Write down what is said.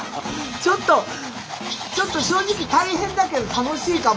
ちょっとちょっと正直大変だけど楽しいかも。